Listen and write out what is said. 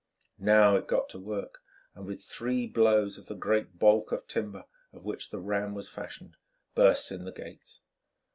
Now it got to work and with three blows of the great baulk of timber, of which the ram was fashioned, burst in the gates.